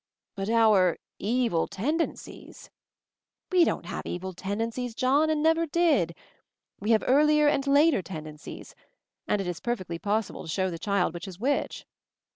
"But our evil tendencies " "We don't have evil tendencies, John — and never did. We have earlier and later tendencies; and it is perfectly possible to show the child which is which."